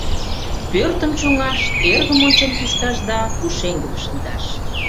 Пӧртым чоҥаш, эргым ончен кушташ да пушеҥгым шындаш.